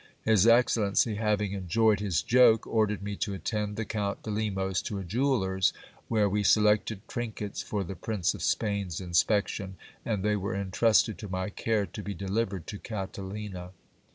His excellency having enjoyed his joke, ordered me to attend the Count de Lemos to a jeweller's, where we selected trinkets for the Prince of Spain's inspection, and they were intrusted to my care to be delivered to Catalina.